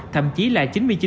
thậm chí là chín mươi chín